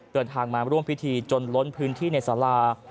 เดินทางมาร่วมพิธีจนล้นพื้นที่ในสารา